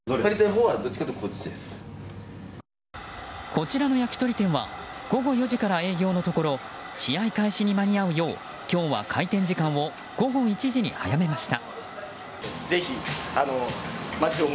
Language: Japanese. こちらの焼き鳥店は午後４時から営業のところ試合開始に間に合うよう今日は開店時間を午後１時に早めました。